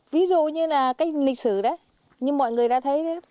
ví dụ như là cách lịch sử đấy như mọi người đã thấy